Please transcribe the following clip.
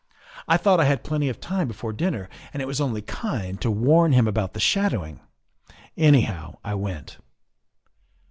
I thought I had plenty of tune before dinner and it was 126 THE WIFE OF only kind to warn him about the shadowing. Anyhow, I went."